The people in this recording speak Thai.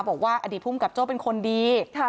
บอกว่าอดีตภูมิกับโจ้เป็นคนดี